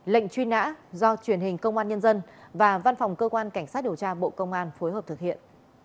lệnh truy nã do truyền hình công an nhân dân và văn phòng cơ quan cảnh sát điều tra bộ công an phối hợp thực hiện